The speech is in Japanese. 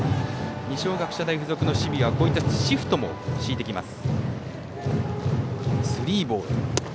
二松学舎大付属の守備はこういったシフトも敷いてきます。